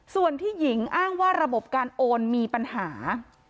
ส่วนที่หญิงอ้างว่าระบบการโอนมีปัญหา